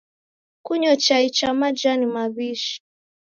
Kunyo chai cha majani maw'ishi.